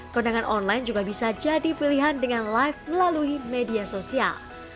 kondangan online juga bisa jadi pilihan dengan live melalui media sosial